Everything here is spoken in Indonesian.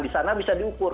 di sana bisa diukur